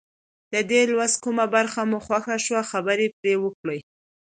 د دې لوست کومه برخه مو خوښه شوه خبرې پرې وکړئ.